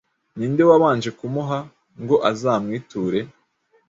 Ni nde wabanje kumuha, ngo azamwiture?